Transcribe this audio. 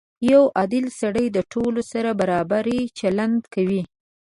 • یو عادل سړی د ټولو سره برابر چلند کوي.